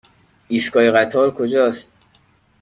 ایستگاه قطار کجاست؟